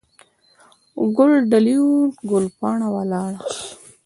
ګل دلې وو، ګل پاڼه ولاړه.